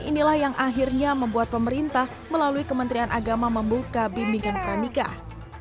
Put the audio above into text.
inilah yang akhirnya membuat pemerintah melalui kementerian agama membuka bimbingan pernikah